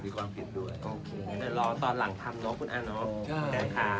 ขอบคุณคุณอาน้องคุณแก่งค่ะ